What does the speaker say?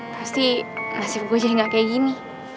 pasti nasib gue jadi gak kayak gini